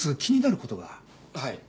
はい。